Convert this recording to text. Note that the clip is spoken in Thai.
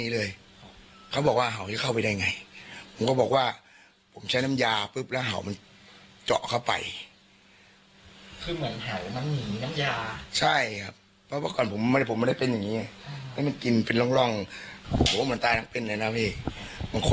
แล้วถ้าไปรักษาแพทย์ก็ต้องบอก